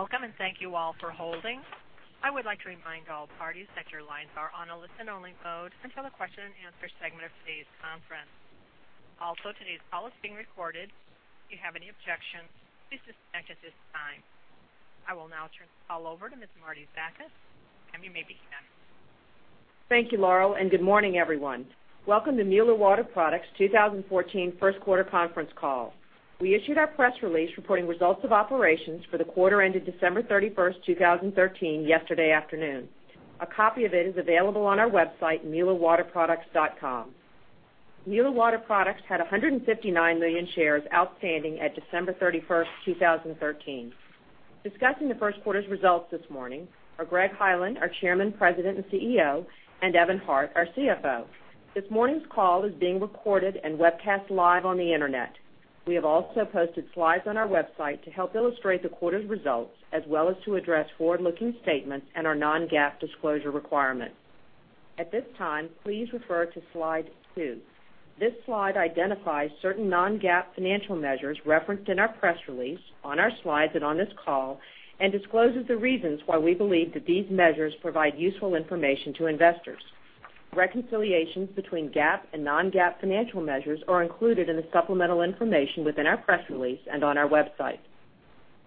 Welcome. Thank you all for holding. I would like to remind all parties that your lines are on a listen-only mode until the question-and-answer segment of today's conference. Today's call is being recorded. If you have any objections, please disconnect at this time. I will now turn the call over to Ms. Marietta Zakas. You may begin. Thank you, Laurel. Good morning, everyone. Welcome to Mueller Water Products' 2014 first quarter conference call. We issued our press release reporting results of operations for the quarter ended December 31st, 2013 yesterday afternoon. A copy of it is available on our website, muellerwaterproducts.com. Mueller Water Products had 159 million shares outstanding at December 31st, 2013. Discussing the first quarter's results this morning are Greg Hyland, our Chairman, President, and CEO, and Evan Hart, our CFO. This morning's call is being recorded and webcast live on the internet. We have posted slides on our website to help illustrate the quarter's results, as well as to address forward-looking statements and our non-GAAP disclosure requirement. At this time, please refer to Slide two. This slide identifies certain non-GAAP financial measures referenced in our press release, on our slides and on this call, and discloses the reasons why we believe that these measures provide useful information to investors. Reconciliations between GAAP and non-GAAP financial measures are included in the supplemental information within our press release and on our website.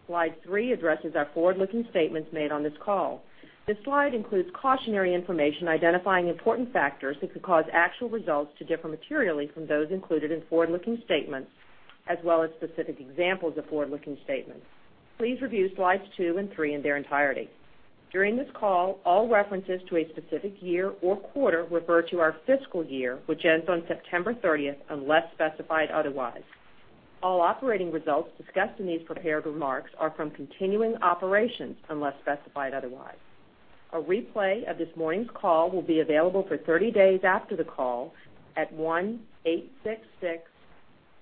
Slide three addresses our forward-looking statements made on this call. This slide includes cautionary information identifying important factors that could cause actual results to differ materially from those included in forward-looking statements, as well as specific examples of forward-looking statements. Please review Slides two and three in their entirety. During this call, all references to a specific year or quarter refer to our fiscal year, which ends on September 30th, unless specified otherwise. All operating results discussed in these prepared remarks are from continuing operations, unless specified otherwise. A replay of this morning's call will be available for 30 days after the call at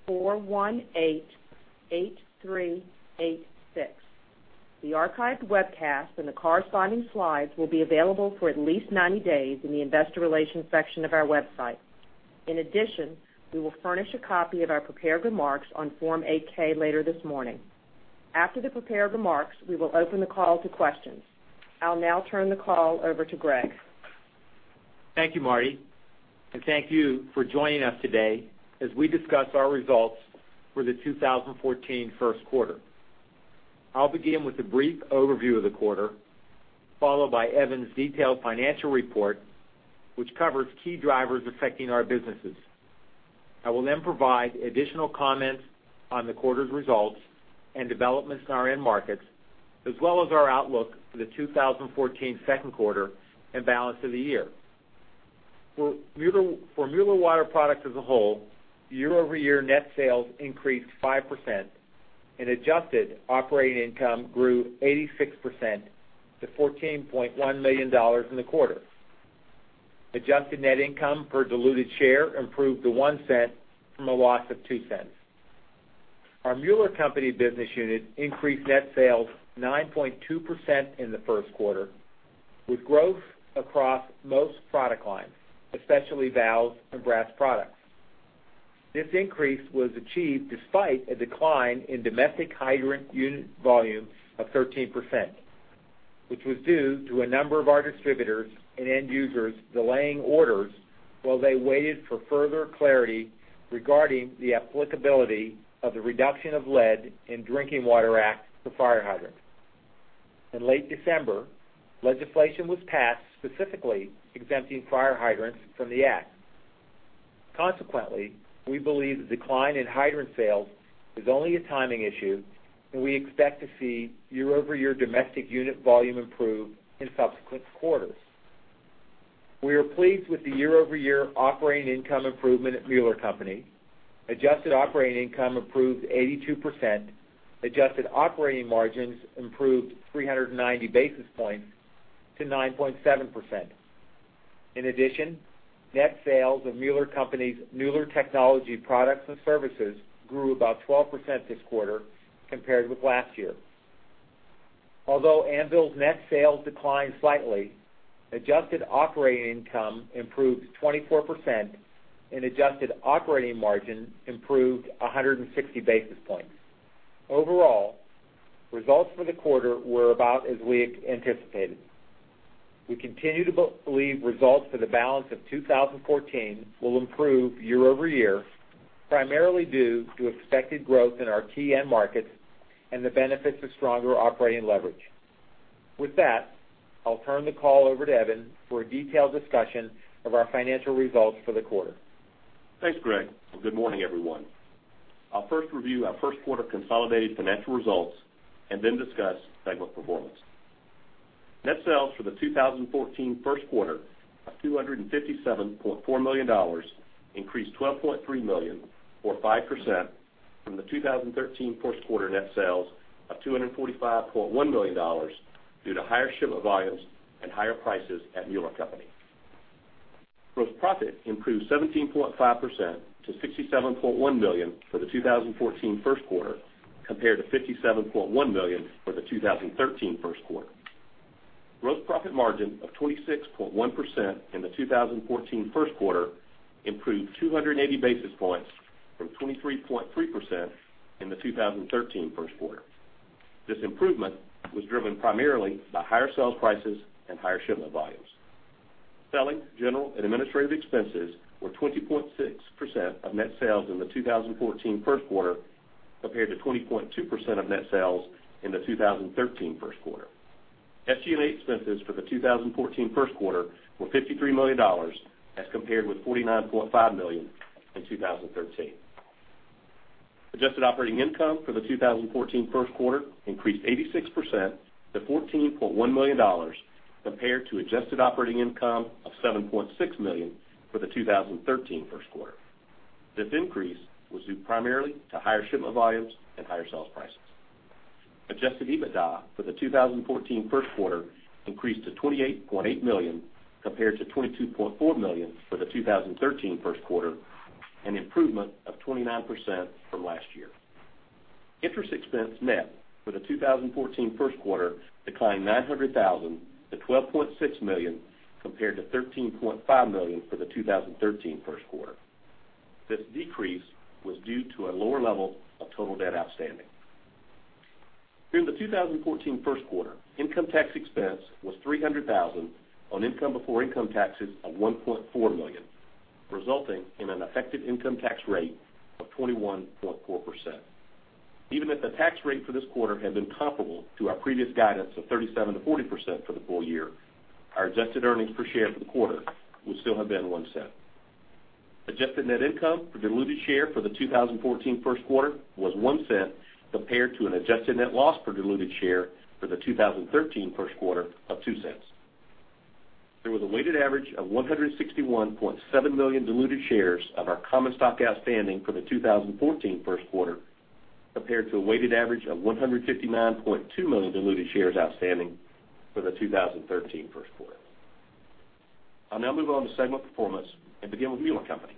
1-866-418-8386. The archived webcast and the corresponding slides will be available for at least 90 days in the investor relations section of our website. We will furnish a copy of our prepared remarks on Form 8-K later this morning. After the prepared remarks, we will open the call to questions. I'll now turn the call over to Greg. Thank you, Marti, and thank you for joining us today as we discuss our results for the 2014 first quarter. I'll begin with a brief overview of the quarter, followed by Evan's detailed financial report, which covers key drivers affecting our businesses. I will then provide additional comments on the quarter's results and developments in our end markets, as well as our outlook for the 2014 second quarter and balance of the year. For Mueller Water Products as a whole, year-over-year net sales increased 5% and adjusted operating income grew 86% to $14.1 million in the quarter. Adjusted net income per diluted share improved to $0.01 from a loss of $0.02. Our Mueller Company business unit increased net sales 9.2% in the first quarter, with growth across most product lines, especially valves and brass products. This increase was achieved despite a decline in domestic hydrant unit volume of 13%, which was due to a number of our distributors and end users delaying orders while they waited for further clarity regarding the applicability of the Reduction of Lead in Drinking Water Act for fire hydrants. In late December, legislation was passed specifically exempting fire hydrants from the act. Consequently, we believe the decline in hydrant sales is only a timing issue, and we expect to see year-over-year domestic unit volume improve in subsequent quarters. We are pleased with the year-over-year operating income improvement at Mueller Company. Adjusted operating income improved 82%. Adjusted operating margins improved 390 basis points to 9.7%. In addition, net sales of Mueller Company's Mueller technology products and services grew about 12% this quarter compared with last year. Although Anvil's net sales declined slightly, adjusted operating income improved 24% and adjusted operating margin improved 160 basis points. Overall, results for the quarter were about as we anticipated. We continue to believe results for the balance of 2014 will improve year-over-year, primarily due to expected growth in our key end markets and the benefits of stronger operating leverage. With that, I'll turn the call over to Evan for a detailed discussion of our financial results for the quarter. Thanks, Greg, and good morning, everyone. I'll first review our first quarter consolidated financial results and then discuss segment performance. Net sales for the 2014 first quarter of $257.4 million increased $12.3 million or 5% from the 2013 first quarter net sales of $245.1 million due to higher shipment volumes and higher prices at Mueller Company. Gross profit improved 17.5% to $67.1 million for the 2014 first quarter, compared to $57.1 million for the 2013 first quarter. Gross profit margin of 26.1% in the 2014 first quarter improved 280 basis points from 23.3% in the 2013 first quarter. This improvement was driven primarily by higher sales prices and higher shipment volumes. Selling, general, and administrative expenses were 20.6% of net sales in the 2014 first quarter, compared to 20.2% of net sales in the 2013 first quarter. SG&A expenses for the 2014 first quarter were $53 million, as compared with $49.5 million in 2013. Adjusted operating income for the 2014 first quarter increased 86% to $14.1 million, compared to adjusted operating income of $7.6 million for the 2013 first quarter. This increase was due primarily to higher shipment volumes and higher sales prices. Adjusted EBITDA for the 2014 first quarter increased to $28.8 million, compared to $22.4 million for the 2013 first quarter, an improvement of 29% from last year. Interest expense net for the 2014 first quarter declined $900,000 to $12.6 million, compared to $13.5 million for the 2013 first quarter. This decrease was due to a lower level of total debt outstanding. During the 2014 first quarter, income tax expense was $300,000 on income before income taxes of $1.4 million, resulting in an effective income tax rate of 21.4%. Even if the tax rate for this quarter had been comparable to our previous guidance of 37%-40% for the full year, our adjusted earnings per share for the quarter would still have been $0.01. Adjusted net income per diluted share for the 2014 first quarter was $0.01, compared to an adjusted net loss per diluted share for the 2013 first quarter of $0.02. There was a weighted average of 161.7 million diluted shares of our common stock outstanding for the 2014 first quarter, compared to a weighted average of 159.2 million diluted shares outstanding for the 2013 first quarter. I'll now move on to segment performance and begin with Mueller Company.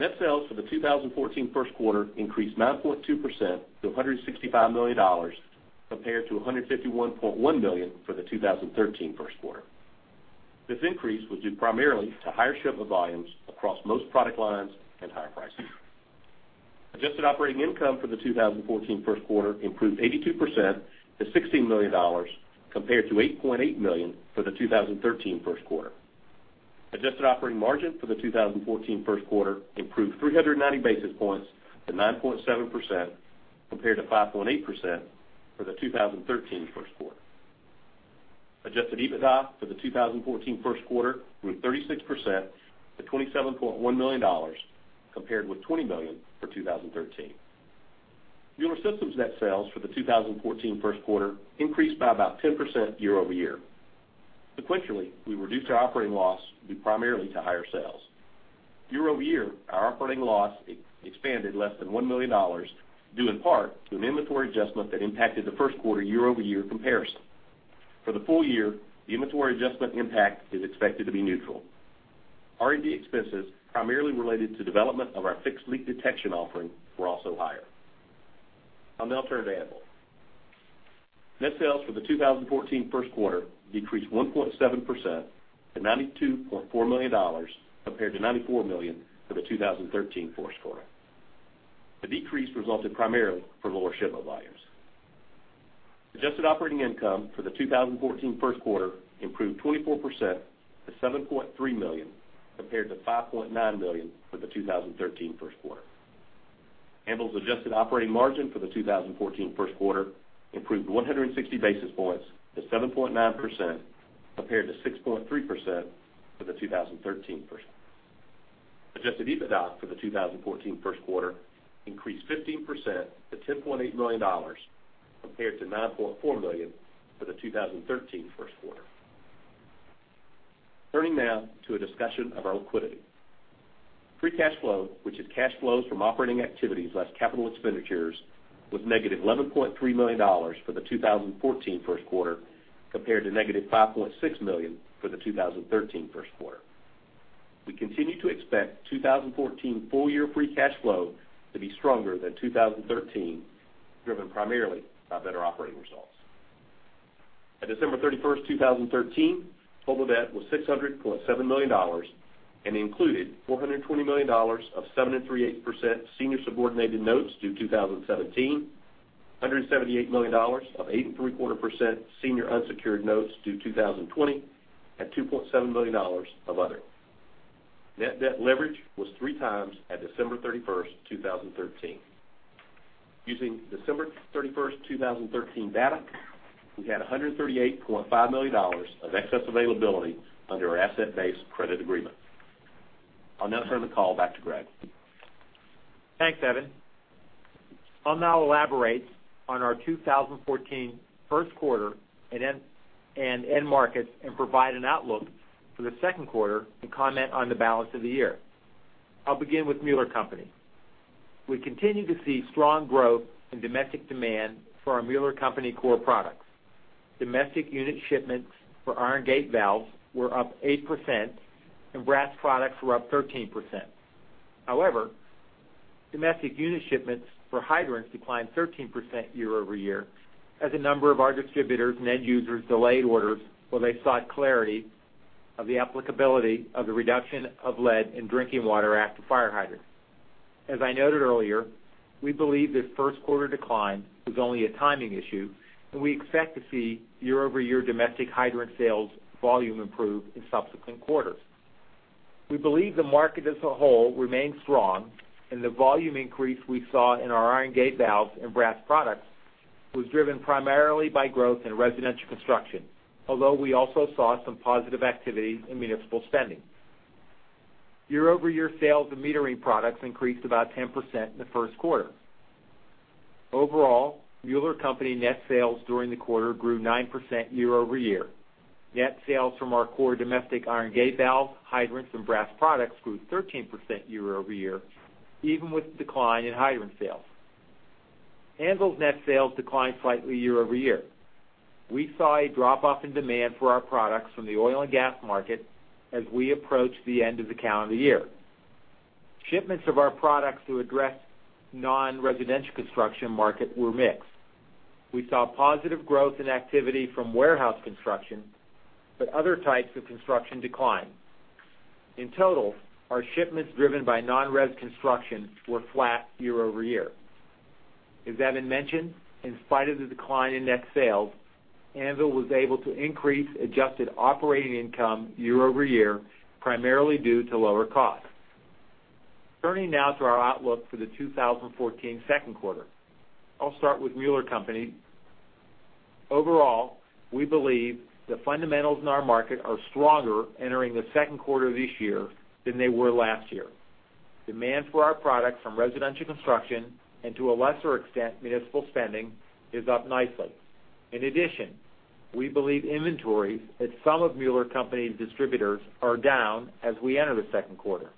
Net sales for the 2014 first quarter increased 9.2% to $165 million, compared to $151.1 million for the 2013 first quarter. This increase was due primarily to higher shipment volumes across most product lines and higher pricing. Adjusted operating income for the 2014 first quarter improved 82% to $16 million, compared to $8.8 million for the 2013 first quarter. Adjusted operating margin for the 2014 first quarter improved 390 basis points to 9.7%, compared to 5.8% for the 2013 first quarter. Adjusted EBITDA for the 2014 first quarter grew 36% to $27.1 million, compared with $20 million for 2013. Mueller Systems net sales for the 2014 first quarter increased by about 10% year-over-year. Sequentially, we reduced our operating loss due primarily to higher sales. Year-over-year, our operating loss expanded less than $1 million, due in part to an inventory adjustment that impacted the first quarter year-over-year comparison. For the full year, the inventory adjustment impact is expected to be neutral. R&D expenses, primarily related to development of our fixed leak detection offering, were also higher. I'll now turn to Anvil. Net sales for the 2014 first quarter decreased 1.7% to $92.4 million, compared to $94 million for the 2013 first quarter. The decrease resulted primarily from lower shipment volumes. Adjusted operating income for the 2014 first quarter improved 24% to $7.3 million, compared to $5.9 million for the 2013 first quarter. Anvil's adjusted operating margin for the 2014 first quarter improved 160 basis points to 7.9%, compared to 6.3% for the 2013 first quarter. Adjusted EBITDA for the 2014 first quarter increased 15% to $10.8 million, compared to $9.4 million for the 2013 first quarter. Turning now to a discussion of our liquidity. Free cash flow, which is cash flows from operating activities less capital expenditures, was negative $11.3 million for the 2014 first quarter, compared to negative $5.6 million for the 2013 first quarter. We continue to expect 2014 full-year free cash flow to be stronger than 2013, driven primarily by better operating results. At December 31st, 2013, total debt was $600.7 million and included $420 million of 7.375% senior subordinated notes due 2017, $178 million of 8.75% senior unsecured notes due 2020, and $2.7 million of other. Net debt leverage was three times at December 31st, 2013. Using December 31st, 2013 data, we had $138.5 million of excess availability under our asset-based credit agreement. I'll now turn the call back to Greg. Thanks, Evan. I'll now elaborate on our 2014 first quarter and end markets and provide an outlook for the second quarter and comment on the balance of the year. I'll begin with Mueller Co. We continue to see strong growth in domestic demand for our Mueller Co. core products. Domestic unit shipments for iron gate valves were up 8%, and brass products were up 13%. However, domestic unit shipments for hydrants declined 13% year-over-year as a number of our distributors and end users delayed orders while they sought clarity of the applicability of the Reduction of Lead in Drinking Water after fire hydrants. As I noted earlier, we believe this first quarter decline was only a timing issue, and we expect to see year-over-year domestic hydrant sales volume improve in subsequent quarters. We believe the market as a whole remains strong, and the volume increase we saw in our iron gate valves and brass products was driven primarily by growth in residential construction. Although we also saw some positive activity in municipal spending. Year-over-year sales of metering products increased about 10% in the first quarter. Overall, Mueller Co. net sales during the quarter grew 9% year-over-year. Net sales from our core domestic iron gate valve, hydrants, and brass products grew 13% year-over-year, even with the decline in hydrant sales. Anvil's net sales declined slightly year-over-year. We saw a drop-off in demand for our products from the oil and gas market as we approached the end of the calendar year. Shipments of our products to address non-residential construction market were mixed. We saw positive growth in activity from warehouse construction, but other types of construction declined. In total, our shipments driven by non-res construction were flat year-over-year. As Evan mentioned, in spite of the decline in net sales, Anvil was able to increase adjusted operating income year-over-year, primarily due to lower costs. Turning now to our outlook for the 2014 second quarter. I'll start with Mueller Co. Overall, we believe the fundamentals in our market are stronger entering the second quarter of this year than they were last year. Demand for our products from residential construction, and to a lesser extent, municipal spending, is up nicely. In addition, we believe inventories at some of Mueller Co.'s distributors are down as we enter the second quarter.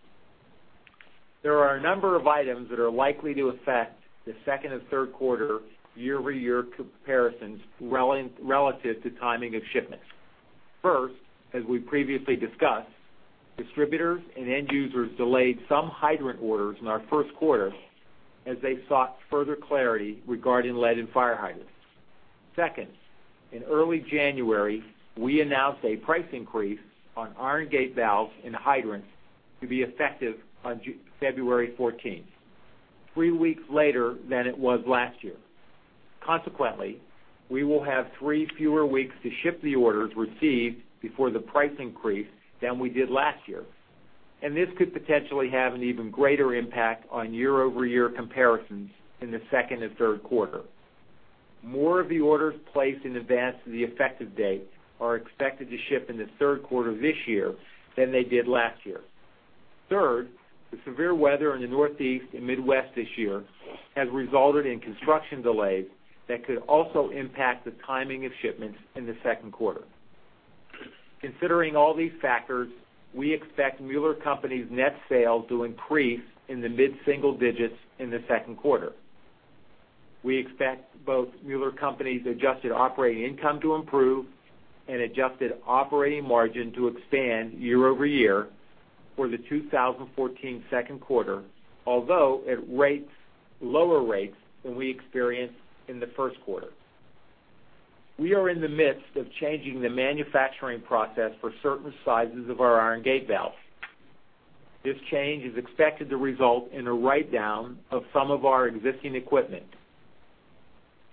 There are a number of items that are likely to affect the second and third quarter year-over-year comparisons relative to timing of shipments. First, as we previously discussed, distributors and end users delayed some hydrant orders in our first quarter as they sought further clarity regarding lead and fire hydrants. Second, in early January, we announced a price increase on iron gate valves and hydrants to be effective on February 14th, three weeks later than it was last year. Consequently, we will have three fewer weeks to ship the orders received before the price increase than we did last year, and this could potentially have an even greater impact on year-over-year comparisons in the second and third quarter. More of the orders placed in advance of the effective date are expected to ship in the third quarter of this year than they did last year. Third, the severe weather in the Northeast and Midwest this year has resulted in construction delays that could also impact the timing of shipments in the second quarter. Considering all these factors, we expect Mueller Company's net sales to increase in the mid-single digits in the second quarter. We expect both Mueller Company's adjusted operating income to improve and adjusted operating margin to expand year-over-year for the 2014 second quarter, although at lower rates than we experienced in the first quarter. We are in the midst of changing the manufacturing process for certain sizes of our iron gate valves. This change is expected to result in a write-down of some of our existing equipment.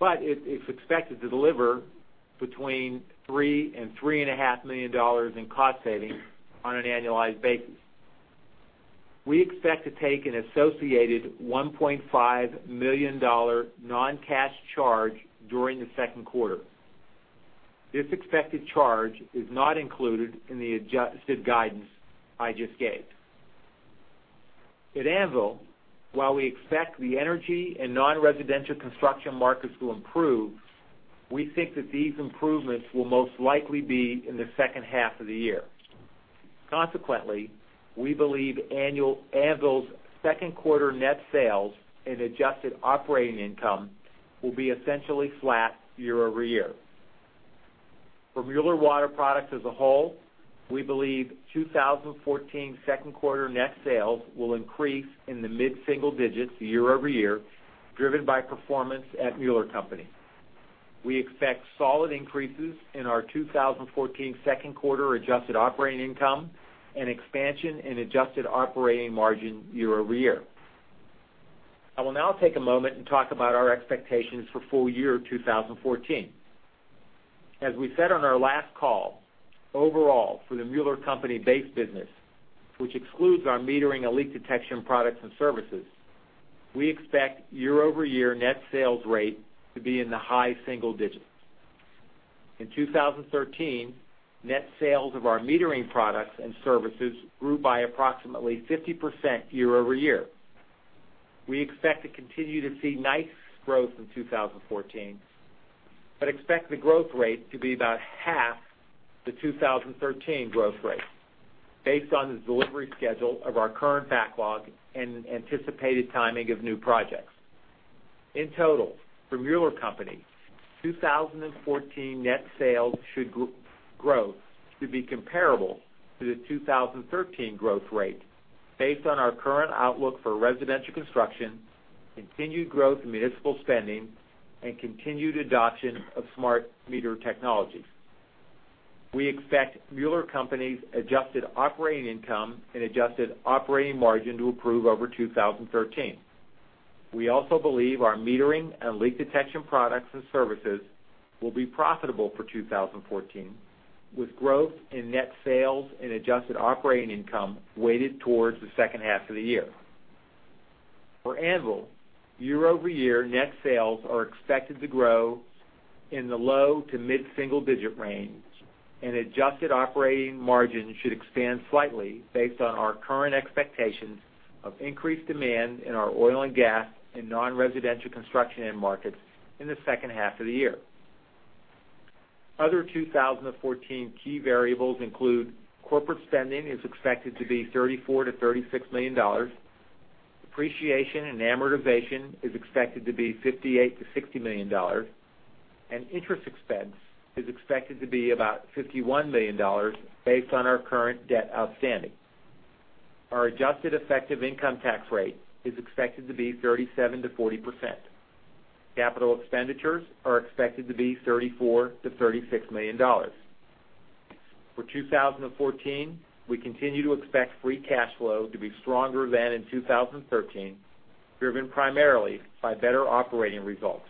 It's expected to deliver between $3 and $3.5 million in cost savings on an annualized basis. We expect to take an associated $1.5 million non-cash charge during the second quarter. This expected charge is not included in the adjusted guidance I just gave. At Anvil, while we expect the energy and non-residential construction markets to improve, we think that these improvements will most likely be in the second half of the year. Consequently, we believe Anvil's second quarter net sales and adjusted operating income will be essentially flat year-over-year. For Mueller Water Products as a whole, we believe 2014 second quarter net sales will increase in the mid-single digits year-over-year, driven by performance at Mueller Company. We expect solid increases in our 2014 second quarter adjusted operating income and expansion in adjusted operating margin year-over-year. I will now take a moment and talk about our expectations for full year 2014. As we said on our last call, overall for the Mueller Company base business, which excludes our metering and leak detection products and services, we expect year-over-year net sales rate to be in the high single digits. In 2013, net sales of our metering products and services grew by approximately 50% year-over-year. We expect to continue to see nice growth in 2014, expect the growth rate to be about half the 2013 growth rate, based on the delivery schedule of our current backlog and anticipated timing of new projects. In total, for Mueller Company, 2014 net sales should growth to be comparable to the 2013 growth rate based on our current outlook for residential construction, continued growth in municipal spending, and continued adoption of smart meter technologies. We expect Mueller Company's adjusted operating income and adjusted operating margin to improve over 2013. We also believe our metering and leak detection products and services will be profitable for 2014, with growth in net sales and adjusted operating income weighted towards the second half of the year. For Anvil, year-over-year net sales are expected to grow in the low to mid-single digit range, and adjusted operating margin should expand slightly based on our current expectations of increased demand in our oil and gas and non-residential construction end markets in the second half of the year. Other 2014 key variables include corporate spending is expected to be $34 million-$36 million, depreciation and amortization is expected to be $58 million-$60 million, and interest expense is expected to be about $51 million based on our current debt outstanding. Our adjusted effective income tax rate is expected to be 37%-40%. Capital expenditures are expected to be $34 million-$36 million. For 2014, we continue to expect free cash flow to be stronger than in 2013, driven primarily by better operating results.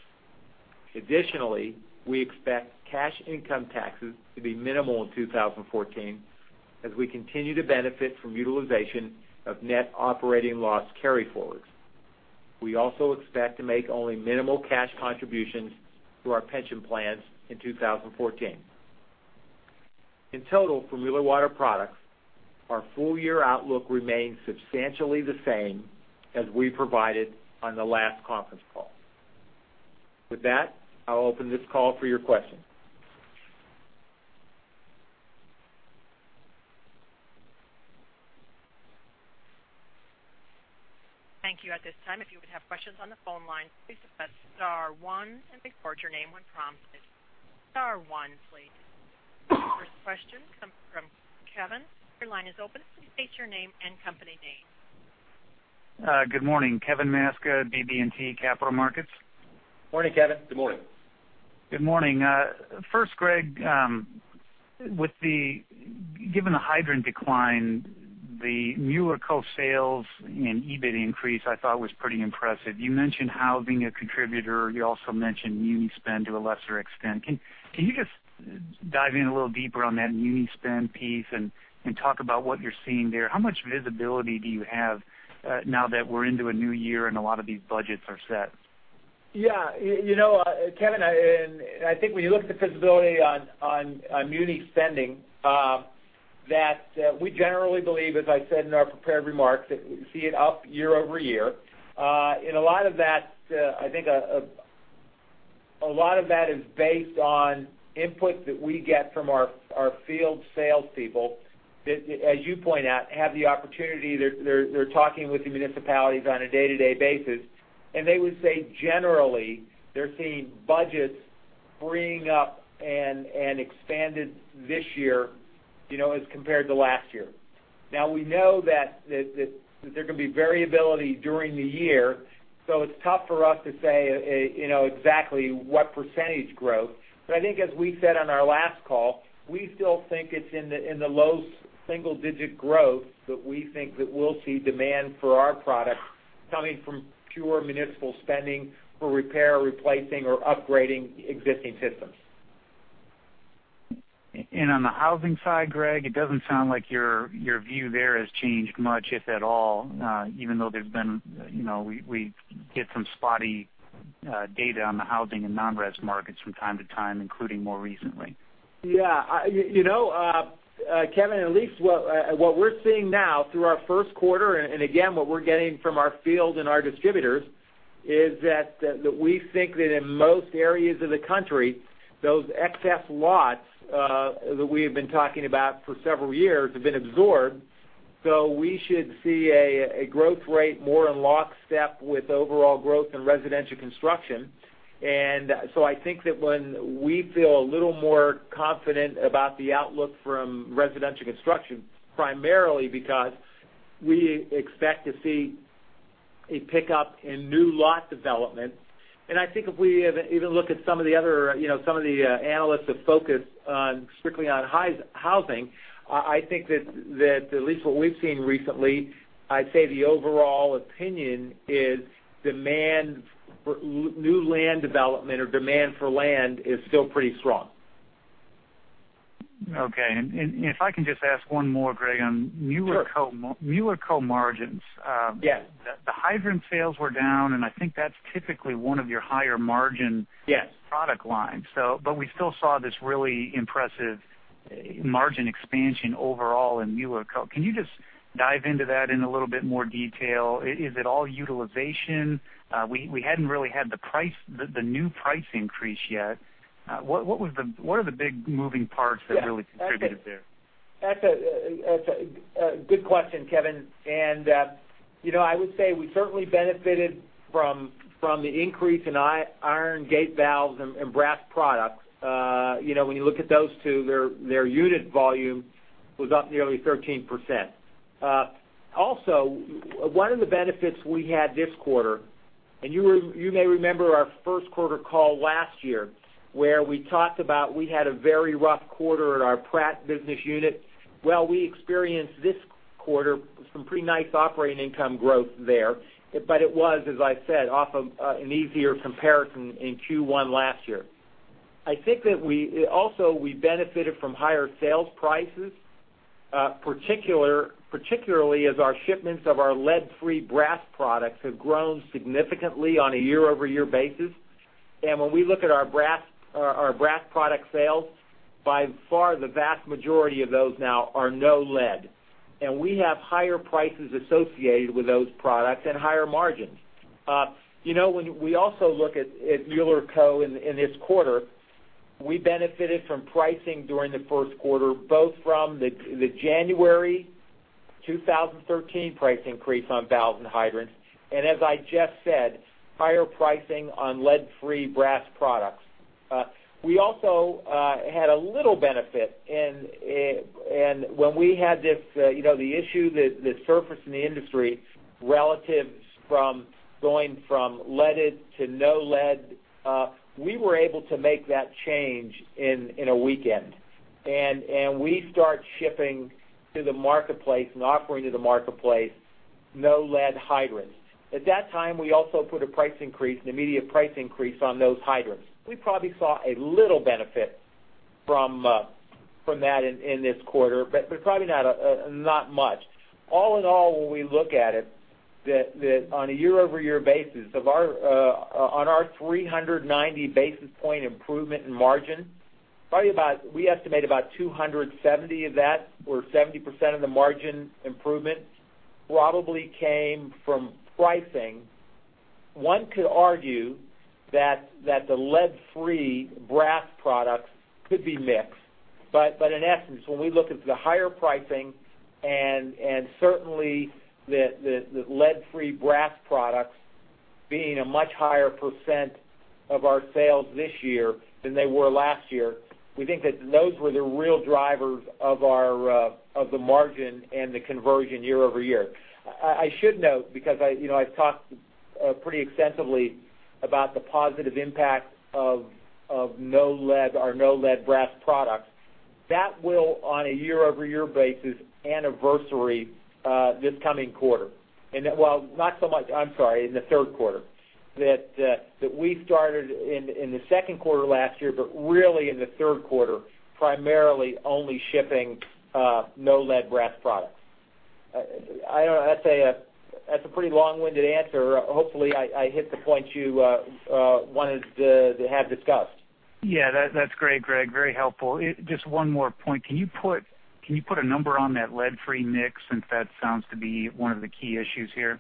Additionally, we expect cash income taxes to be minimal in 2014 as we continue to benefit from utilization of net operating loss carryforwards. We also expect to make only minimal cash contributions to our pension plans in 2014. In total, for Mueller Water Products, our full-year outlook remains substantially the same as we provided on the last conference call. With that, I'll open this call for your questions. Thank you. At this time, if you would have questions on the phone line, please press star one and record your name when prompted. Star one, please. Your first question comes from Kevin. Your line is open. Please state your name and company name. Good morning, Kevin Maczka, BB&T Capital Markets. Morning, Kevin. Good morning. Good morning. First, Greg, given the hydrant decline, the Mueller Co sales and EBIT increase I thought was pretty impressive. You mentioned housing a contributor. You also mentioned muni spend to a lesser extent. Can you just dive in a little deeper on that muni spend piece and talk about what you're seeing there? How much visibility do you have now that we're into a new year and a lot of these budgets are set? Yeah. Kevin, I think when you look at the visibility on muni spending, that we generally believe, as I said in our prepared remarks, that we see it up year-over-year. I think a lot of that is based on input that we get from our field salespeople that, as you point out, have the opportunity. They're talking with the municipalities on a day-to-day basis, and they would say, generally, they're seeing budgets freeing up and expanded this year, as compared to last year. Now, we know that there can be variability during the year, so it's tough for us to say exactly what percentage growth. I think as we said on our last call, we still think it's in the low single-digit growth that we think that we'll see demand for our products coming from pure municipal spending for repair, replacing, or upgrading existing systems. On the housing side, Greg, it doesn't sound like your view there has changed much, if at all, even though we get some spotty data on the housing and non-res markets from time to time, including more recently. Yeah. Kevin, at least what we're seeing now through our first quarter, again, what we're getting from our field and our distributors, is that we think that in most areas of the country, those excess lots that we have been talking about for several years have been absorbed. We should see a growth rate more in lockstep with overall growth in residential construction. I think that when we feel a little more confident about the outlook from residential construction, primarily because we expect to see a pickup in new lot development. I think if we even look at some of the other analysts have focused strictly on housing, I think that at least what we've seen recently, I'd say the overall opinion is new land development or demand for land is still pretty strong. Okay. If I can just ask one more, Greg, on- Sure. -Mueller Co margins. Yes. The hydrant sales were down, I think that's typically one of your higher margin- Yes product lines. We still saw this really impressive margin expansion overall in Mueller Co. Can you just dive into that in a little bit more detail? Is it all utilization? We hadn't really had the new price increase yet. What are the big moving parts that really contributed there? That's a good question, Kevin. I would say we certainly benefited from the increase in iron gate valves and brass products. When you look at those two, their unit volume was up nearly 13%. Also, one of the benefits we had this quarter, and you may remember our first quarter call last year, where we talked about we had a very rough quarter at our Pratt business unit. Well, we experienced this quarter some pretty nice operating income growth there, but it was, as I said, off of an easier comparison in Q1 last year. I think that also we benefited from higher sales prices, particularly as our shipments of our lead-free brass products have grown significantly on a year-over-year basis. When we look at our brass product sales, by far, the vast majority of those now are no lead. We have higher prices associated with those products and higher margins. When we also look at Mueller Co. in this quarter, we benefited from pricing during the first quarter, both from the January 2013 price increase on valves and hydrants, and as I just said, higher pricing on lead-free brass products. We also had a little benefit, when we had the issue that surfaced in the industry relative from going from leaded to no lead, we were able to make that change in a weekend. We start shipping to the marketplace and offering to the marketplace no lead hydrants. At that time, we also put an immediate price increase on those hydrants. We probably saw a little benefit from that in this quarter, but probably not much. All in all, when we look at it, on a year-over-year basis on our 390 basis point improvement in margin, we estimate about 270 of that or 70% of the margin improvement probably came from pricing. One could argue that the lead-free brass products could be mixed. In essence, when we look at the higher pricing and certainly the lead-free brass products being a much higher percent of our sales this year than they were last year, we think that those were the real drivers of the margin and the conversion year-over-year. I should note, because I've talked pretty extensively about the positive impact of our no lead brass products. That will, on a year-over-year basis, anniversary this coming quarter. Not so much, I'm sorry, in the third quarter, that we started in the second quarter last year, but really in the third quarter, primarily only shipping no lead brass products. I'd say that's a pretty long-winded answer. Hopefully, I hit the point you wanted to have discussed. That's great, Greg. Very helpful. Just one more point. Can you put a number on that lead-free mix, since that sounds to be one of the key issues here?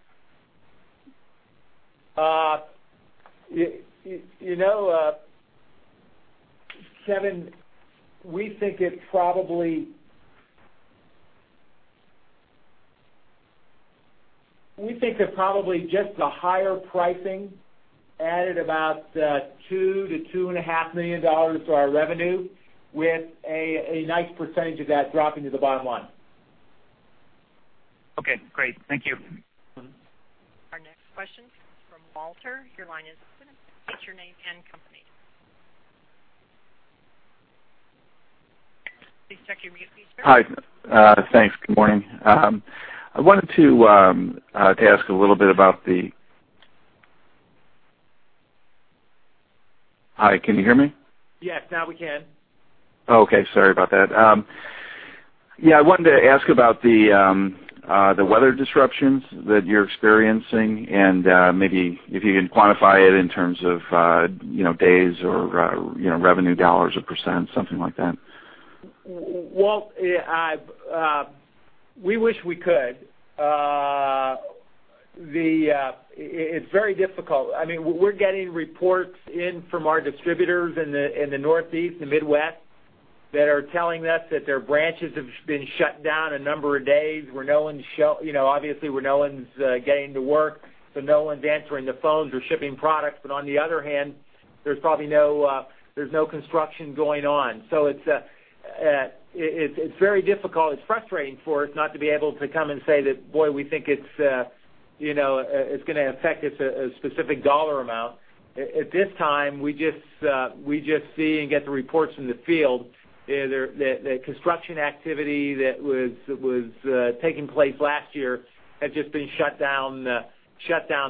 Kevin, we think that probably just the higher pricing added about $2 million-$2.5 million to our revenue, with a nice percentage of that dropping to the bottom line. Great. Thank you. Our next question comes from Walter. Your line is open. State your name and company. Please check your mute, sir. Hi. Thanks. Good morning. I wanted to ask a little bit about Hi, can you hear me? Yes. Now we can. Okay. Sorry about that. Yeah, I wanted to ask about the weather disruptions that you're experiencing, and maybe if you can quantify it in terms of days or revenue $ or %, something like that. Walt, we wish we could. It's very difficult. We're getting reports in from our distributors in the Northeast and Midwest that are telling us that their branches have been shut down a number of days, obviously, where no one's getting to work, so no one's answering the phones or shipping products. On the other hand, there's no construction going on. It's very difficult. It's frustrating for us not to be able to come and say that, boy, we think it's going to affect a specific dollar amount. At this time, we just see and get the reports from the field that construction activity that was taking place last year has just been shut down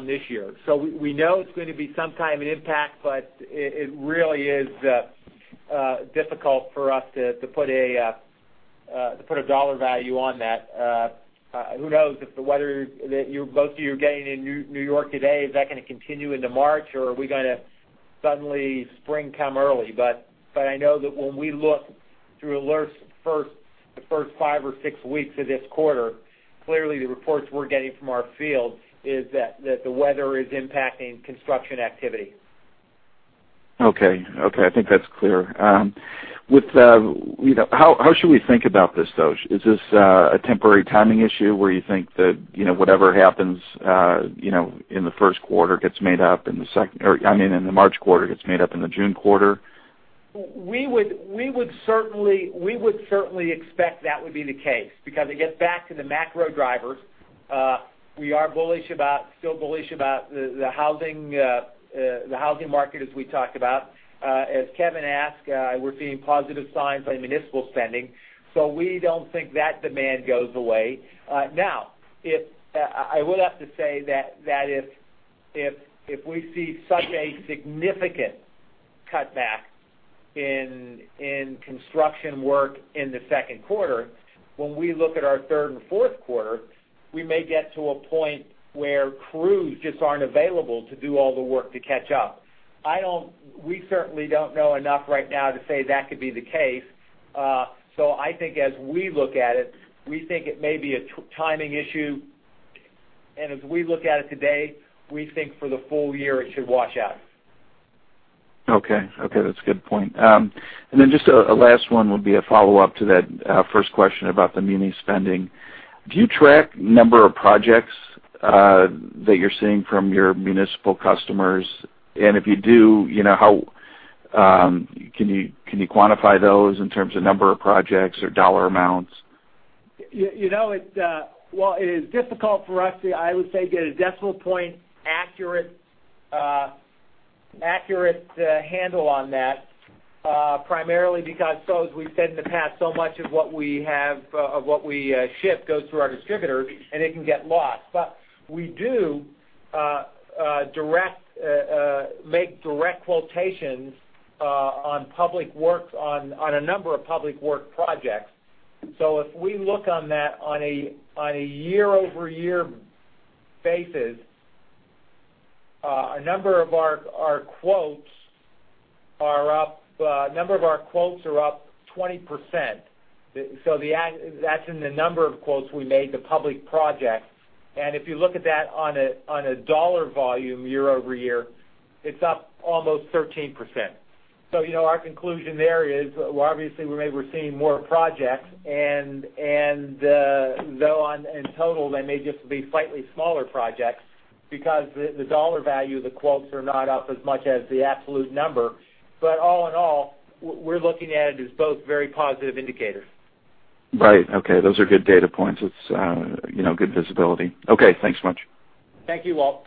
this year. We know it's going to be some kind of impact, but it really is difficult for us to put a dollar value on that. Who knows if the weather that both of you are getting in New York today, is that going to continue into March or are we going to suddenly spring come early? I know that when we look through the first five or six weeks of this quarter, clearly the reports we're getting from our field is that the weather is impacting construction activity. Okay. I think that's clear. How should we think about this, though? Is this a temporary timing issue where you think that whatever happens in the first quarter gets made up in the second or I mean, in the March quarter, gets made up in the June quarter? We would certainly expect that would be the case, because it gets back to the macro drivers. We are still bullish about the housing market as we talked about. As Kevin asked, we're seeing positive signs on municipal spending. We don't think that demand goes away. Now, I would have to say that if we see such a significant cutback in construction work in the second quarter, when we look at our third and fourth quarter, we may get to a point where crews just aren't available to do all the work to catch up. We certainly don't know enough right now to say that could be the case. I think as we look at it, we think it may be a timing issue. As we look at it today, we think for the full year, it should wash out. Okay. That's a good point. Just a last one would be a follow-up to that first question about the muni spending. Do you track number of projects that you're seeing from your municipal customers? If you do, can you quantify those in terms of number of projects or dollar amounts? While it is difficult for us to, I would say, get a decimal point accurate handle on that, primarily because, as we've said in the past, so much of what we ship goes through our distributors, and it can get lost. We do make direct quotations on a number of public work projects. If we look on that on a year-over-year basis, a number of our quotes are up 20%. That's in the number of quotes we made to public projects. If you look at that on a dollar volume year-over-year, it's up almost 13%. Our conclusion there is, well, obviously we're seeing more projects, and though in total they may just be slightly smaller projects because the dollar value of the quotes are not up as much as the absolute number. All in all, we're looking at it as both very positive indicators. Right. Okay. Those are good data points. It's good visibility. Okay, thanks much. Thank you, Walt.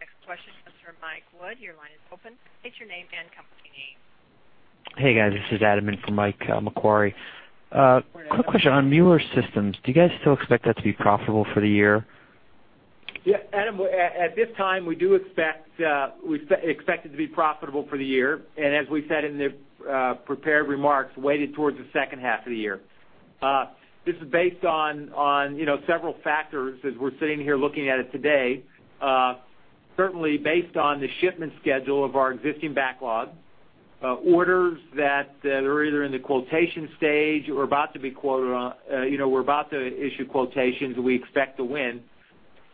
Next question comes from Michael Wood. Your line is open. State your name and company name. Hey, guys. This is Adam in for Mike at Macquarie. Quick question on Mueller Systems. Do you guys still expect that to be profitable for the year? Yeah, Adam, at this time, we expect it to be profitable for the year, as we said in the prepared remarks, weighted towards the second half of the year. This is based on several factors as we're sitting here looking at it today. Certainly, based on the shipment schedule of our existing backlog, orders that are either in the quotation stage or about to issue quotations we expect to win.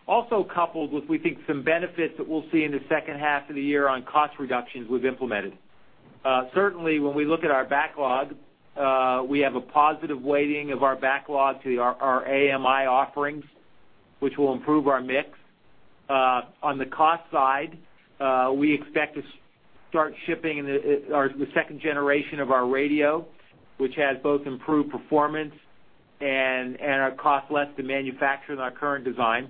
Also coupled with, we think, some benefits that we'll see in the second half of the year on cost reductions we've implemented. Certainly, when we look at our backlog, we have a positive weighting of our backlog to our AMI offerings, which will improve our mix. On the cost side, we expect to start shipping the second generation of our radio, which has both improved performance and are cost less to manufacture than our current design.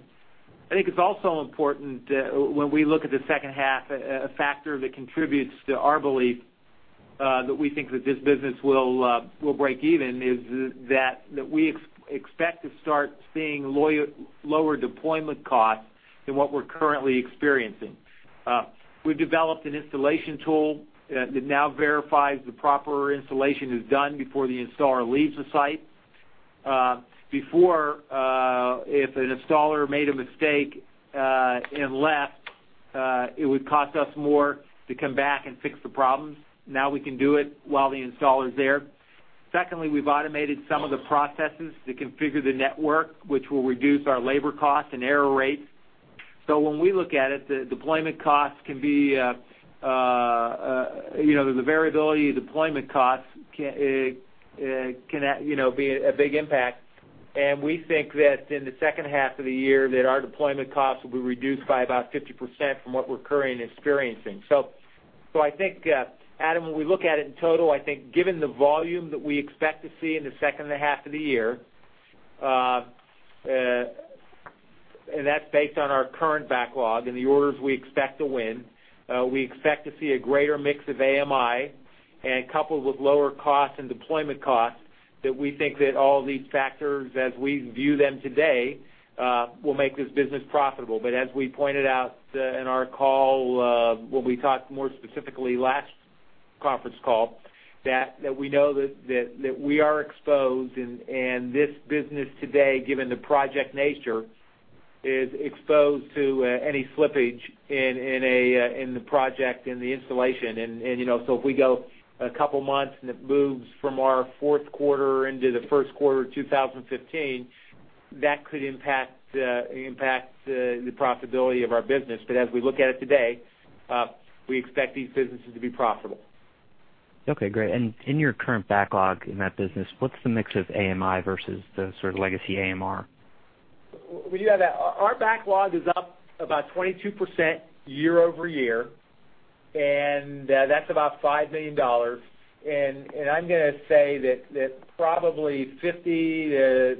I think it's also important, when we look at the second half, a factor that contributes to our belief, that we think that this business will break even, is that we expect to start seeing lower deployment costs than what we're currently experiencing. We've developed an installation tool that now verifies the proper installation is done before the installer leaves the site. Before, if an installer made a mistake and left, it would cost us more to come back and fix the problems. Now we can do it while the installer's there. Secondly, we've automated some of the processes to configure the network, which will reduce our labor cost and error rates. When we look at it, the variability of deployment costs can be a big impact, and we think that in the second half of the year, that our deployment costs will be reduced by about 50% from what we're currently experiencing. I think, Adam, when we look at it in total, I think given the volume that we expect to see in the second and a half of the year, and that's based on our current backlog and the orders we expect to win, we expect to see a greater mix of AMI and coupled with lower costs and deployment costs, that we think that all these factors as we view them today, will make this business profitable. As we pointed out in our call, when we talked more specifically last conference call, that we know that we are exposed, and this business today, given the project nature, is exposed to any slippage in the project and the installation. If we go a couple of months and it moves from our fourth quarter into the first quarter of 2015, that could impact the profitability of our business. As we look at it today, we expect these businesses to be profitable. Okay, great. In your current backlog in that business, what's the mix of AMI versus the legacy AMR? Our backlog is up about 22% year-over-year, and that's about $5 million. I'm going to say that probably 50%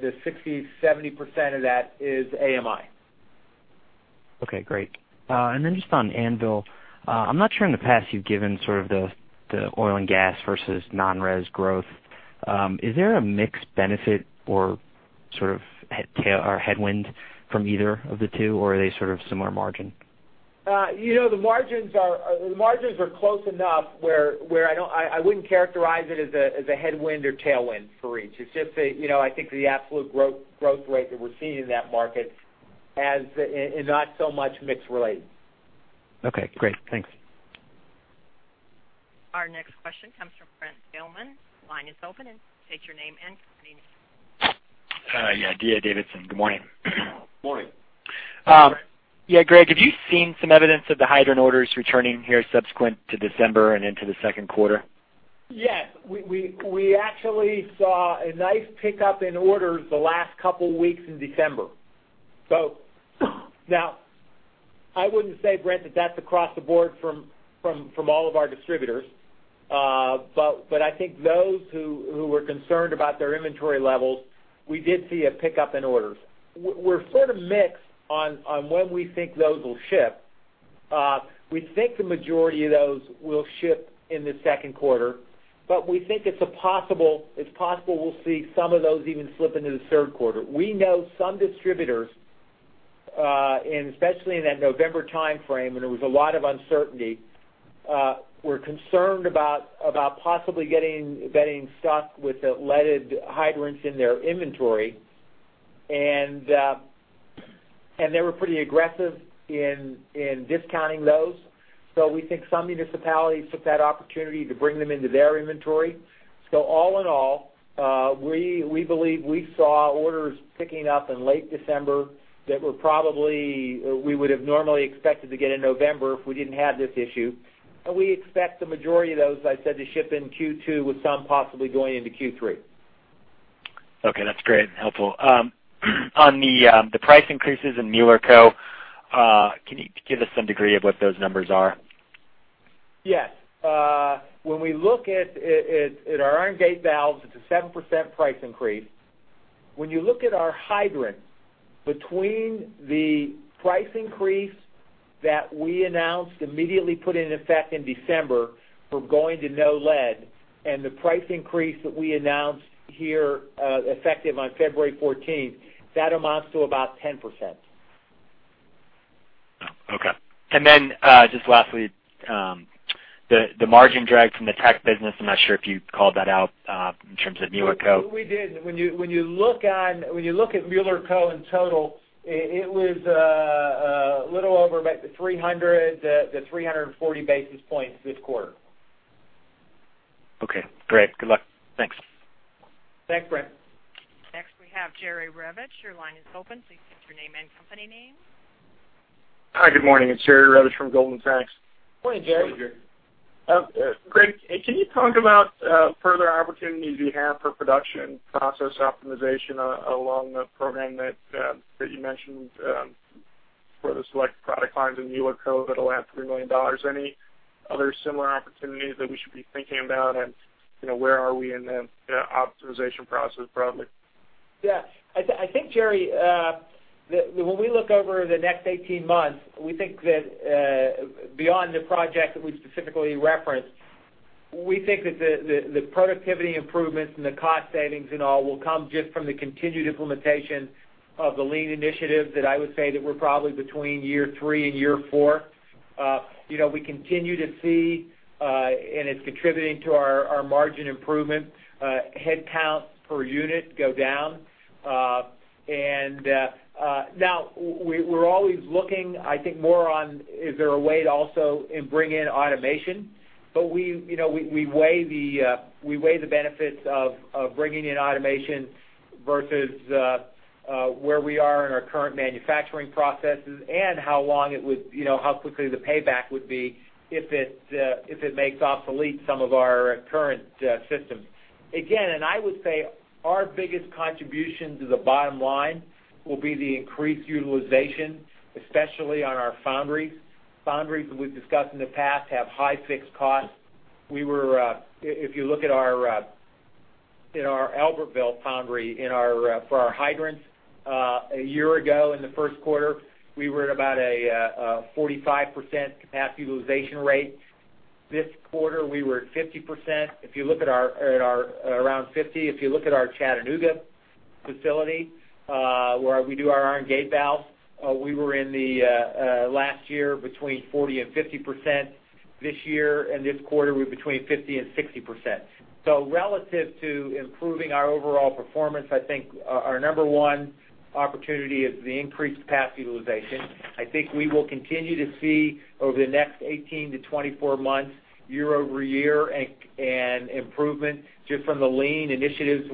to 60%, 70% of that is AMI. Okay, great. Just on Anvil, I'm not sure in the past you've given the oil and gas versus non-res growth. Is there a mixed benefit or headwind from either of the two, or are they similar margin? The margins are close enough where I wouldn't characterize it as a headwind or tailwind for each. It's just I think the absolute growth rate that we're seeing in that market is not so much mix related. Okay, great. Thanks. Our next question comes from Brent Theilman. Line is open. State your name and company name. Yeah, D.A. Davidson. Good morning. Morning. Yeah, Greg, have you seen some evidence of the hydrant orders returning here subsequent to December and into the second quarter? Yes. We actually saw a nice pickup in orders the last couple weeks in December. Now I wouldn't say, Alohi, that that's across the board from all of our distributors. But I think those who were concerned about their inventory levels, we did see a pickup in orders. We're sort of mixed on when we think those will ship. We think the majority of those will ship in the second quarter, but we think it's possible we'll see some of those even slip into the third quarter. We know some distributors, and especially in that November timeframe when there was a lot of uncertainty, were concerned about possibly getting stuck with the leaded hydrants in their inventory, and they were pretty aggressive in discounting those. We think some municipalities took that opportunity to bring them into their inventory. All in all, we believe we saw orders picking up in late December that we would have normally expected to get in November if we didn't have this issue. We expect the majority of those, as I said, to ship in Q2 with some possibly going into Q3. Okay, that's great. Helpful. On the price increases in Mueller Co., can you give us some degree of what those numbers are? Yes. When we look at our iron gate valves, it's a 7% price increase. When you look at our hydrant, between the price increase that we announced, immediately put into effect in December for going to no lead, and the price increase that we announced here, effective on February 14th, that amounts to about 10%. Oh, okay. Just lastly, the margin drag from the tech business, I'm not sure if you called that out, in terms of Mueller Co.. We did. When you look at Mueller Co. in total, it was a little over about the 300 to 340 basis points this quarter. Okay, great. Good luck. Thanks. Thanks, Brent. Next we have Jerry Revich. Your line is open, please state your name and company name. Hi, good morning. It's Jerry Revich from Goldman Sachs. Morning, Jerry. Morning, Jerry. Greg, can you talk about further opportunities you have for production process optimization along the program that you mentioned for the select product lines in Mueller Co. that'll add $3 million? Any other similar opportunities that we should be thinking about? Where are we in the optimization process broadly? Yeah. I think, Jerry, that when we look over the next 18 months, we think that beyond the project that we specifically referenced, we think that the productivity improvements and the cost savings and all will come just from the continued implementation of the lean initiatives, that I would say that we're probably between year 3 and year 4. We continue to see, and it's contributing to our margin improvement, headcount per unit go down. Now we're always looking, I think, more on, is there a way to also bring in automation? We weigh the benefits of bringing in automation versus where we are in our current manufacturing processes and how quickly the payback would be if it makes obsolete some of our current systems. Again, I would say our biggest contribution to the bottom line will be the increased utilization, especially on our foundries. Foundries, as we've discussed in the past, have high fixed costs. If you look at our Albertville foundry for our hydrants, a year ago in the first quarter, we were at about a 45% capacity utilization rate. This quarter we were at around 50%. If you look at our Chattanooga facility, where we do our iron gate valves, we were in the last year between 40% and 50%. This year and this quarter, we're between 50% and 60%. Relative to improving our overall performance, I think our number one opportunity is the increased capacity utilization. I think we will continue to see over the next 18 to 24 months year-over-year an improvement just from the lean initiatives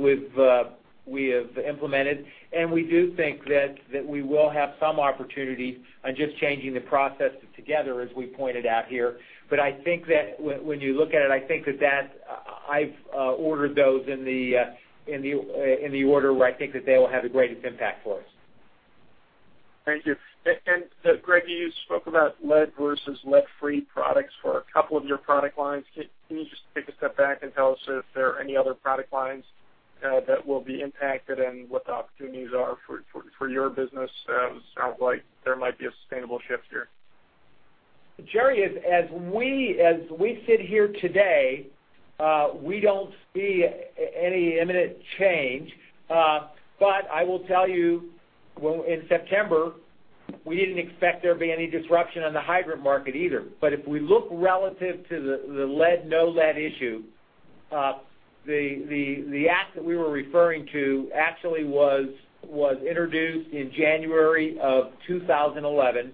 we have implemented. We do think that we will have some opportunity on just changing the process together as we pointed out here. I think that when you look at it, I've ordered those in the order where I think that they will have the greatest impact for us. Thank you. Greg, you spoke about lead versus lead-free products for a couple of your product lines. Can you just take a step back and tell us if there are any other product lines that will be impacted and what the opportunities are for your business? It sounds like there might be a sustainable shift here. Jerry, as we sit here today, we don't see any imminent change. I will tell you, in September, we didn't expect there to be any disruption on the hydrant market either. If we look relative to the lead, no lead issue, the act that we were referring to actually was introduced in January of 2011.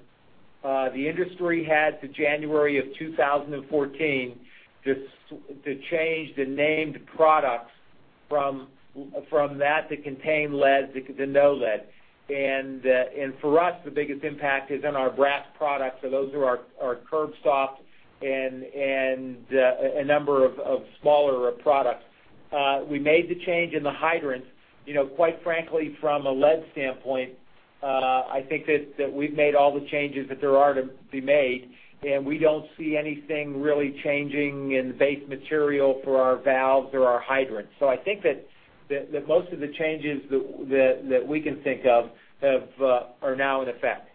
The industry had to January of 2014 to change the named products from that contain lead to no lead. For us, the biggest impact is on our brass products. Those are our curb stops and a number of smaller products. We made the change in the hydrants. Quite frankly, from a lead standpoint, I think that we've made all the changes that there are to be made, and we don't see anything really changing in the base material for our valves or our hydrants. I think that most of the changes that we can think of are now in effect.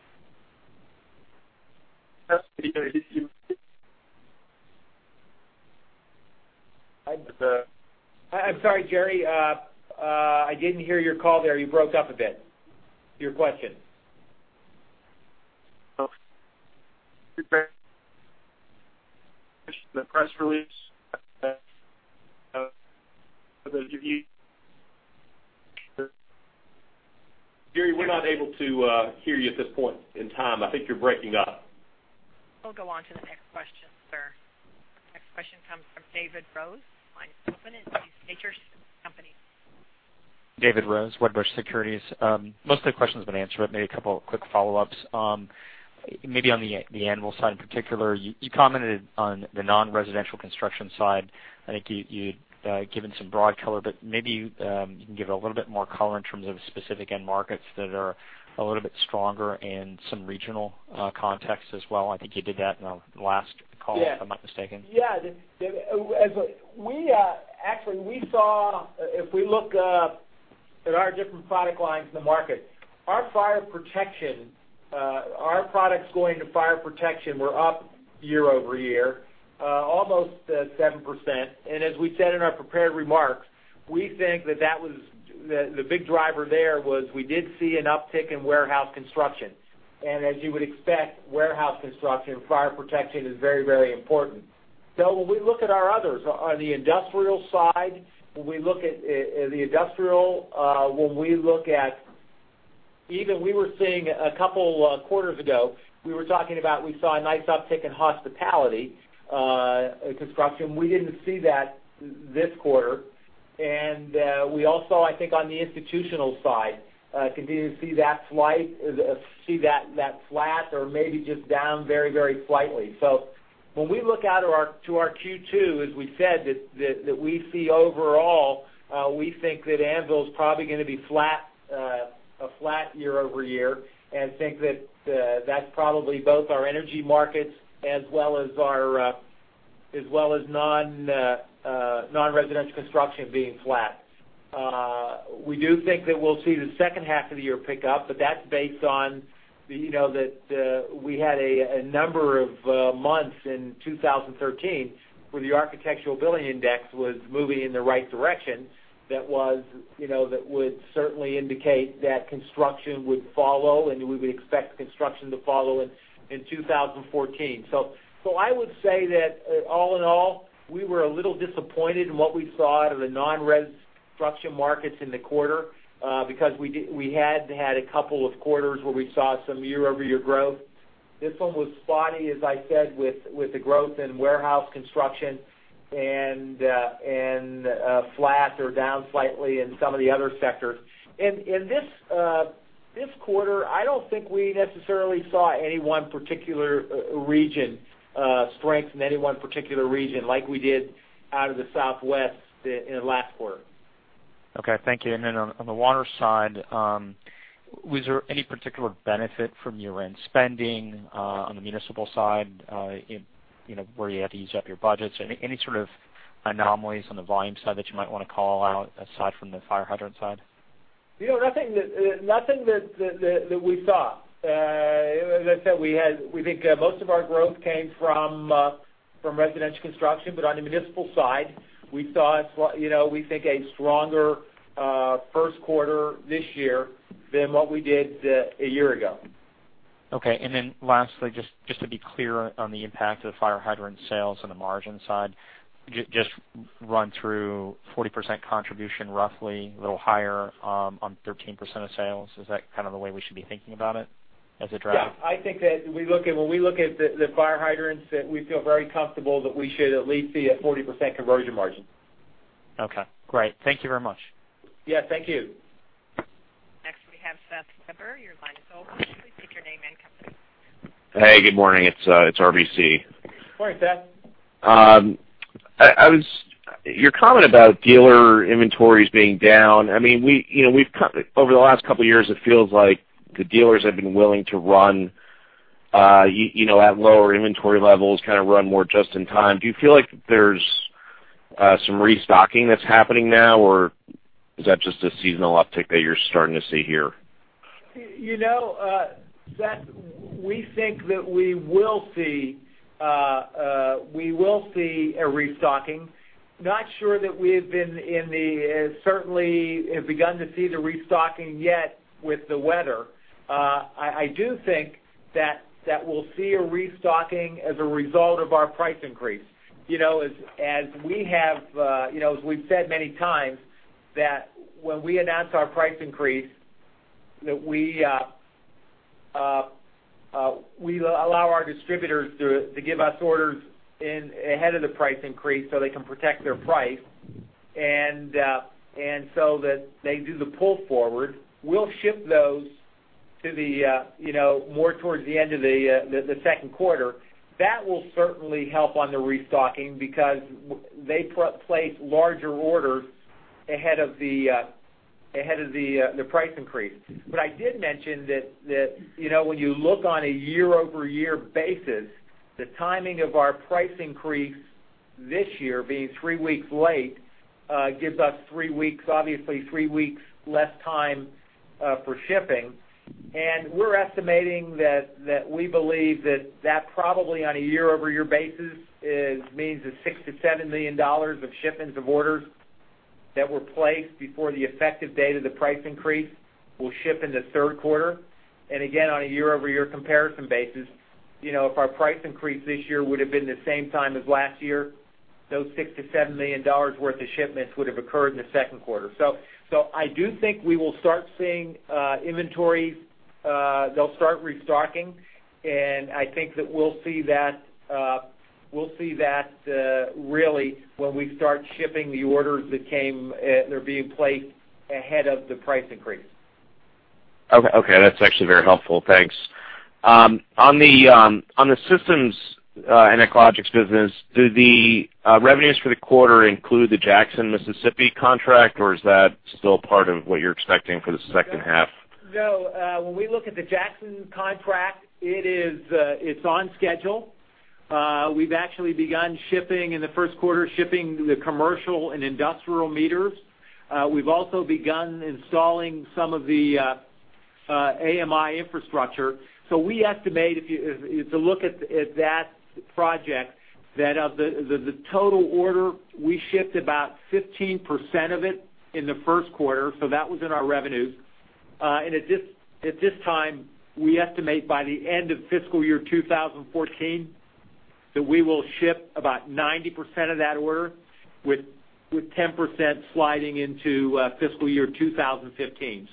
I'm sorry, Jerry, I didn't hear your call there. You broke up a bit. Your question. The press release of those of you. Jerry, we're not able to hear you at this point in time. I think you're breaking up. We'll go on to the next question, sir. Next question comes from David Rose. Line is open, and please state your company. David Rose, Wedbush Securities. Most of the question's been answered, a couple of quick follow-ups. On the annual side in particular, you commented on the non-residential construction side. I think you'd given some broad color, you can give a little bit more color in terms of specific end markets that are a little bit stronger in some regional context as well. I think you did that in the last call- Yeah if I'm not mistaken. Yeah. Actually, if we look at our different product lines in the market, our products going to fire protection were up year-over-year almost 7%. As we said in our prepared remarks, we think that the big driver there was we did see an uptick in warehouse construction. As you would expect, warehouse construction, fire protection is very, very important. When we look at our others on the industrial side, when we look at the industrial, even we were seeing a couple quarters ago, we were talking about we saw a nice uptick in hospitality construction. We didn't see that this quarter. We also, I think on the institutional side, continue to see that flat or maybe just down very, very slightly. When we look out to our Q2, as we said, that we see overall, we think that Anvil's probably going to be a flat year-over-year and think that's probably both our energy markets as well as non-residential construction being flat. We do think that we'll see the second half of the year pick up, that's based on that we had a number of months in 2013 where the Architecture Billings Index was moving in the right direction. That would certainly indicate that construction would follow, we would expect construction to follow in 2014. I would say that all in all, we were a little disappointed in what we saw out of the non-res construction markets in the quarter, because we had had a couple of quarters where we saw some year-over-year growth. This one was spotty, as I said, with the growth in warehouse construction and flat or down slightly in some of the other sectors. In this quarter, I don't think we necessarily saw any one particular region, strength in any one particular region like we did out of the Southwest in the last quarter. Okay. Thank you. Then on the water side, was there any particular benefit from year-end spending on the municipal side, where you had to use up your budgets? Any sort of anomalies on the volume side that you might want to call out aside from the fire hydrant side? Nothing that we saw. As I said, we think most of our growth came from residential construction. On the municipal side, we saw we think a stronger first quarter this year than what we did a year ago. Okay. Then lastly, just to be clear on the impact of the fire hydrant sales on the margin side, just run through 40% contribution roughly, a little higher on 13% of sales. Is that kind of the way we should be thinking about it as a drag? Yeah, I think that when we look at the fire hydrants, we feel very comfortable that we should at least be at 40% conversion margin. Okay, great. Thank you very much. Yeah, thank you. Next, we have Seth Weber. Your line is open. Please state your name and company. Hey, good morning. It's RBC. Morning, Seth. Your comment about dealer inventories being down, over the last couple of years, it feels like the dealers have been willing to run at lower inventory levels, kind of run more just in time. Do you feel like there's some restocking that's happening now, or is that just a seasonal uptick that you're starting to see here? Seth, we think that we will see a restocking. Not sure that we have certainly begun to see the restocking yet with the weather. I do think that we'll see a restocking as a result of our price increase. As we've said many times, that when we announce our price increase, that we allow our distributors to give us orders ahead of the price increase so they can protect their price, and so that they do the pull forward. We'll ship those more towards the end of the second quarter. That will certainly help on the restocking because they place larger orders ahead of the price increase. I did mention that when you look on a year-over-year basis, the timing of our price increase this year being three weeks late, gives us, obviously, three weeks less time for shipping. We're estimating that we believe that that probably on a year-over-year basis means that $6 million-$7 million of shipments of orders that were placed before the effective date of the price increase will ship into third quarter. Again, on a year-over-year comparison basis, if our price increase this year would have been the same time as last year, those $6 million-$7 million worth of shipments would have occurred in the second quarter. I do think we will start seeing inventory. They'll start restocking, and I think that we'll see that really when we start shipping the orders that are being placed ahead of the price increase. Okay. That's actually very helpful. Thanks. On the Systems and Echologics business, do the revenues for the quarter include the Jackson, Mississippi contract, or is that still part of what you're expecting for the second half? No. When we look at the Jackson contract, it's on schedule. We've actually begun shipping in the first quarter, shipping the commercial and industrial meters. We've also begun installing some of the AMI infrastructure. We estimate, if you look at that project, that of the total order, we shipped about 15% of it in the first quarter, so that was in our revenues. At this time, we estimate by the end of fiscal year 2014, that we will ship about 90% of that order with 10% sliding into fiscal year 2015.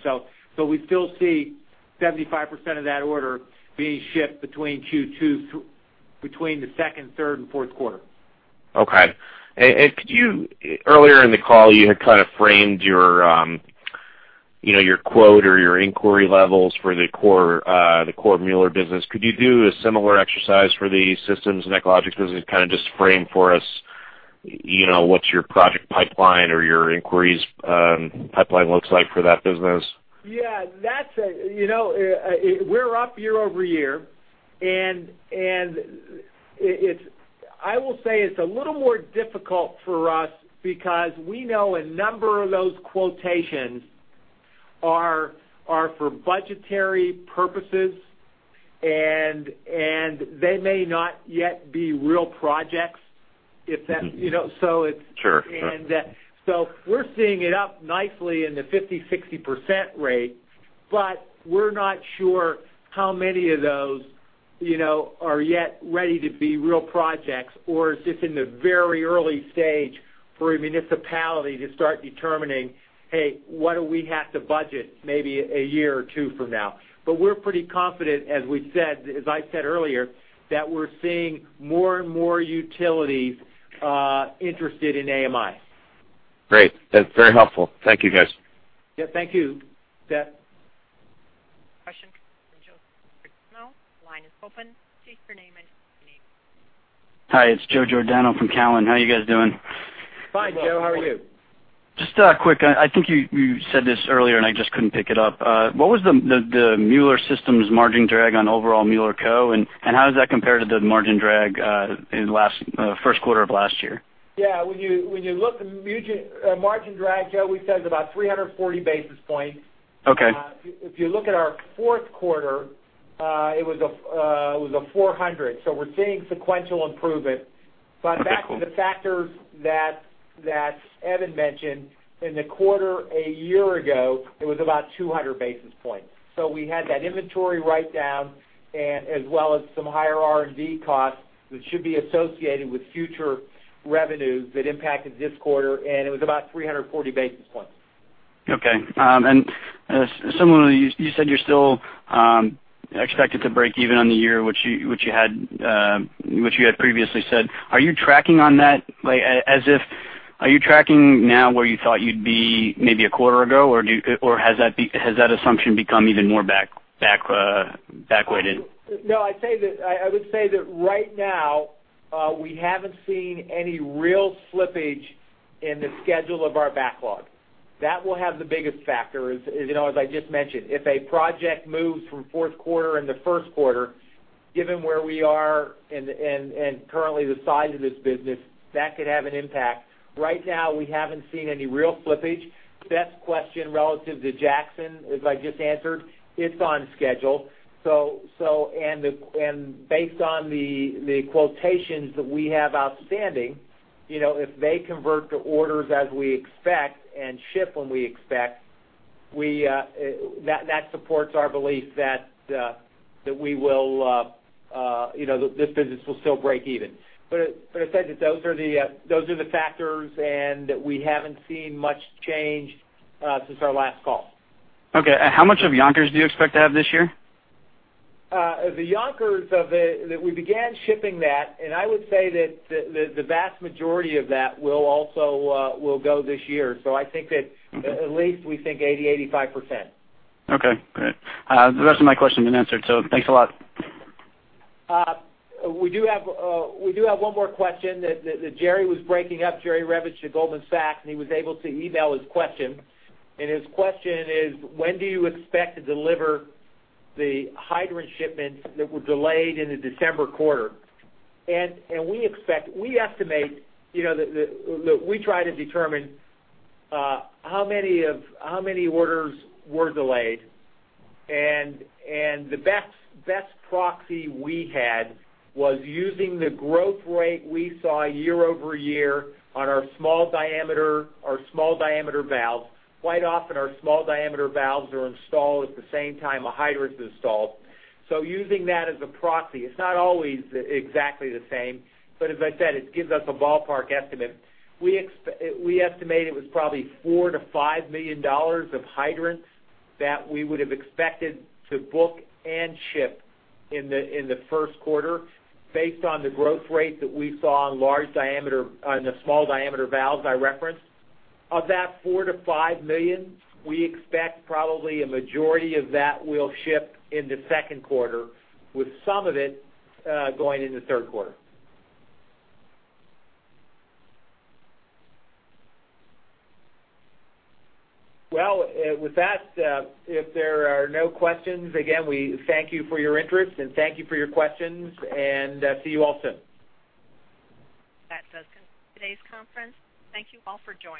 We still see 75% of that order being shipped between the second, third, and fourth quarter. Okay. Earlier in the call, you had kind of framed your quote or your inquiry levels for the core Mueller business. Could you do a similar exercise for the Systems and Echologics business, kind of just frame for us what's your project pipeline or your inquiries pipeline looks like for that business? Yeah. We're up year-over-year. I will say it's a little more difficult for us because we know a number of those quotations are for budgetary purposes. They may not yet be real projects. Sure. We're seeing it up nicely in the 50%-60% rate. We're not sure how many of those are yet ready to be real projects, or is this in the very early stage for a municipality to start determining, "Hey, what do we have to budget maybe a year or two from now?" We're pretty confident, as I said earlier, that we're seeing more and more utilities interested in AMI. Great. That's very helpful. Thank you, guys. Yeah. Thank you, Seth. Question from Joseph Giordano. Line is open. State your name and company. Hi, it's Joe Giordano from Cowen. How are you guys doing? Fine, Joe. How are you? Just quick, I think you said this earlier, and I just couldn't pick it up. What was the Mueller Systems margin drag on overall Mueller Co., and how does that compare to the margin drag in first quarter of last year? Yeah. When you look at the margin drag, Joe, we said it's about 340 basis points. Okay. If you look at our fourth quarter, it was 400 basis points. We're seeing sequential improvement. Back to the factors that Evan mentioned, in the quarter a year ago, it was about 200 basis points. We had that inventory write-down, as well as some higher R&D costs, which should be associated with future revenues that impacted this quarter. It was about 340 basis points. Okay. Similarly, you said you're still expected to break even on the year, which you had previously said. Are you tracking on that? Are you tracking now where you thought you'd be maybe a quarter ago, or has that assumption become even more back weighted? No, I would say that right now, we haven't seen any real slippage in the schedule of our backlog. That will have the biggest factor, as I just mentioned. If a project moves from fourth quarter into first quarter, given where we are and currently the size of this business, that could have an impact. Right now, we haven't seen any real slippage. Seth's question relative to Jackson, as I just answered, it's on schedule. Based on the quotations that we have outstanding, if they convert to orders as we expect and ship when we expect, that supports our belief that this business will still break even. As I said, those are the factors, we haven't seen much change since our last call. Okay. How much of Yonkers do you expect to have this year? The Yonkers, we began shipping that, I would say that the vast majority of that will go this year. I think that at least we think 80%, 85%. Okay, great. The rest of my questions have been answered, thanks a lot. We do have one more question that Jerry was breaking up, Jerry Revich of Goldman Sachs. He was able to email his question. His question is: when do you expect to deliver the hydrant shipments that were delayed in the December quarter? We try to determine how many orders were delayed, and the best proxy we had was using the growth rate we saw year-over-year on our small diameter valves. Quite often, our small diameter valves are installed at the same time a hydrant's installed. Using that as a proxy, it's not always exactly the same, but as I said, it gives us a ballpark estimate. We estimate it was probably $4 million-$5 million of hydrants that we would have expected to book and ship in the first quarter based on the growth rate that we saw on the small diameter valves I referenced. Of that $4 million-$5 million, we expect probably a majority of that will ship in the second quarter, with some of it going in the third quarter. Well, with that, if there are no questions, again, we thank you for your interest and thank you for your questions, and see you all soon. That does conclude today's conference. Thank you all for joining.